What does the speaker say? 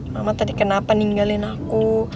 mama tadi kenapa ninggalin aku